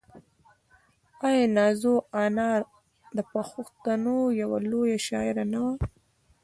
آیا نازو انا د پښتنو یوه لویه شاعره نه وه؟